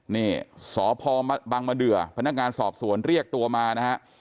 นี่สพบังมะเดือพนักงานสอบสวนเรียกตัวมานะฮะ